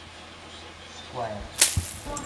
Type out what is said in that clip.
Сквайр!